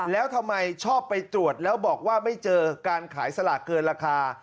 แล้วทำไมชอบไปตรวจแล้วบอกว่าไม่เจอการขายสลากเกินราคา